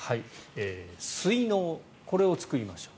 水のう、これを作りましょう。